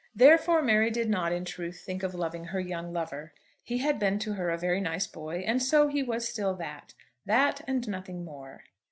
Therefore Mary did not in truth think of loving her young lover. He had been to her a very nice boy; and so he was still; that; that, and nothing more.